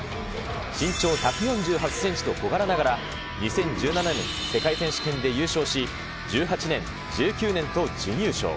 身長１４８センチと小柄ながら、２０１７年世界選手権で優勝し、１８年、１９年と準優勝。